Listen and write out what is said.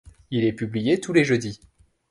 Il est publié tous les jeudis.